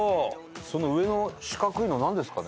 その上の四角いのなんですかね？